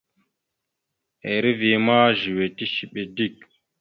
Eriveya ma zʉwe tishiɓe dik.